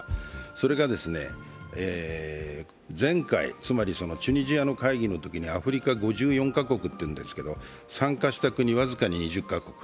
それが前回、つまりチュニジアの会議のときに、アフリカ５４か国というのですけれども、参加した国は僅かに２０か国。